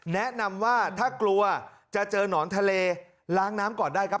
แนะนำว่าถ้ากลัวจะเจอหนอนทะเลล้างน้ำก่อนได้ครับ